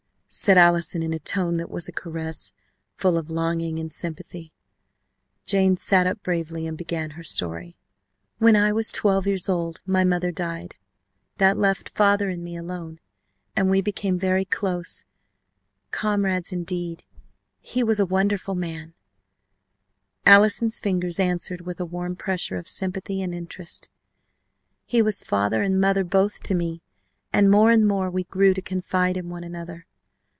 said Allison in a tone that was a caress, full of longing and sympathy. Jane sat up bravely and began her story. "When I was twelve years old my mother died. That left father and me alone, and we became very close comrades indeed. He was a wonderful father!" Allison's fingers answered with a warm pressure of sympathy and interest. "He was father and mother both to me. And more and more we grew to confide in one another.